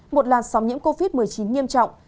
một làn sóng nhiễm covid một mươi chín nghiêm trọng